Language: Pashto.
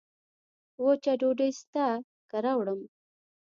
وچه ډوډۍ سته که راوړم